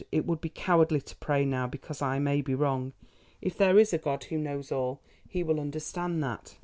It would be cowardly to pray now because I may be wrong. If there is a God who knows all, He will understand that."